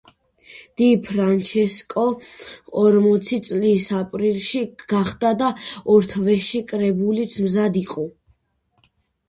დი ფრანჩესკო ორმოცი წლის აპრილში გახდა და ორ თვეში კრებულიც მზად იყო.